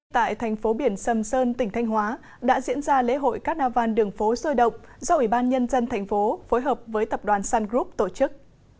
tại thành phố biển sầm sơn tỉnh thanh hóa đã diễn ra lễ hội carnival đường phố sôi động do ủy ban nhân dân thành phố phối hợp với tập đoàn sun group tổ chức